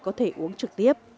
có thể uống trực tiếp